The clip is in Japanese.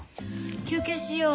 休憩しよう。